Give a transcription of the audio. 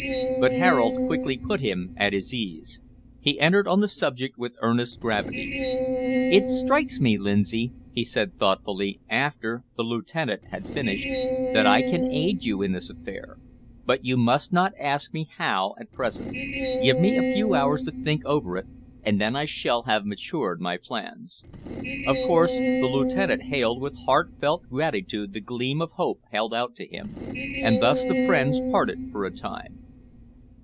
But Harold quickly put him at his ease. He entered on the subject with earnest gravity. "It strikes me, Lindsay," he said thoughtfully, after the lieutenant had finished, "that I can aid you in this affair; but you must not ask me how at present. Give me a few hours to think over it, and then I shall have matured my plans." Of course the lieutenant hailed with heartfelt gratitude the gleam of hope held out to him, and thus the friends parted for a time.